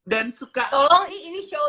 dan suka tolong nih ini show